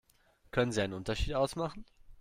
Können Sie einen Unterschied ausmachen?